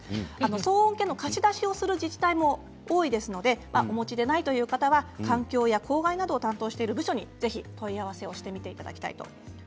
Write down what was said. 騒音計の貸し出しをする自治体も多いですのでお持ちでない方は環境や公害などを担当している部署に、ぜひ問い合わせをしてください。